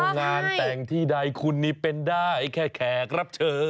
งานแต่งที่ใดคุณนี่เป็นได้แค่แขกรับเชิญ